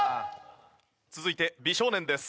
続いて美少年です。